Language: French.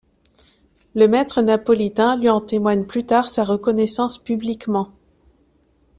Le maître napolitain lui en témoigne plus tard sa reconnaissance publiquement.